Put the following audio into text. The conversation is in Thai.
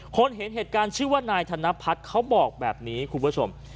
เห็นเหตุการณ์ชื่อว่านายธนพัฒน์เขาบอกแบบนี้คุณผู้ชม